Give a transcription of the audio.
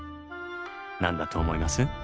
何だと思います？